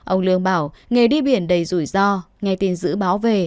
ông lương bảo nghề đi biển đầy rủi ro nghe tin dự báo về